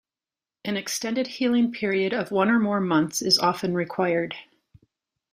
An extended healing period of one or more months is often required.